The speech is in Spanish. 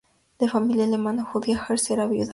De familia alemana-judía, Herz era viuda.